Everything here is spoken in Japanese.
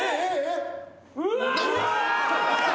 うわ！